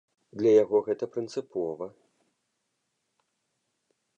Для яго гэта прынцыпова.